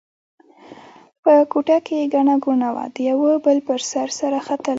په کوټه کې ګڼه ګوڼه وه؛ د یوه بل پر سر سره ختل.